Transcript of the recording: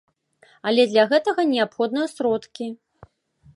Але для гэтага неабходныя сродкі.